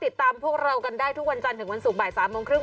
ติดตามพวกเรากันได้ทุกวันจันทร์ถึงวันศุกร์บ่าย๓โมงครึ่ง